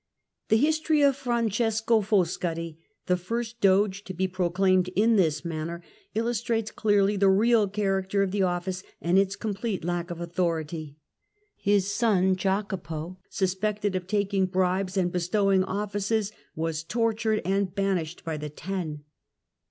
The history of Francesco Foscari, the first Doge to be proclaimed in this manner, illustrates Francesco clearly the real character of the office and its complete Fosc&ri * Doge of lack of authority. His son Jacopo, suspected of taking bribes and bestowing offices, was tortured and banished by the Ten.